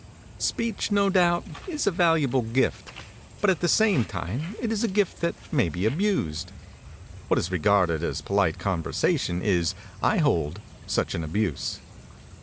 Speech, no doubt, is a valuable gift, but at the same time it is a gift that may be abused. What is regarded as polite conversation is, I hold, such an abuse.